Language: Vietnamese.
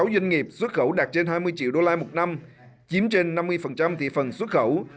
sáu doanh nghiệp xuất khẩu đạt trên hai mươi triệu đô la một năm chiếm trên năm mươi thị phần xuất khẩu